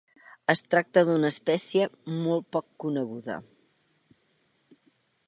Es tracta d'una espècie molt poc coneguda.